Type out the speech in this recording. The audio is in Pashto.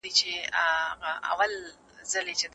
د کرونا واکسین څومره کسانو ته ورسید؟